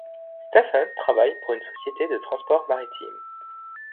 Stephen travaille pour une société de transport maritime.